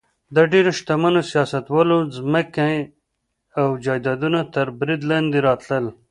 د ډېرو شتمنو سیاستوالو ځمکې او جایدادونه تر برید لاندې راتلل.